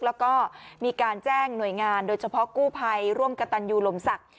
แล้วก็มีการแจ้งหน่วยงานโดยเฉพาะกู้ภัยร่วมกระตันยูลมศักดิ์